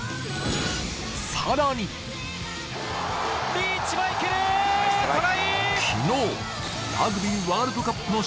リーチマイケルトライ！